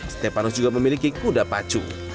stepanus juga memiliki kuda pacu